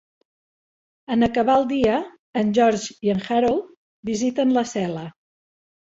En acabar el dia, en George i en Harold visiten la cel·la.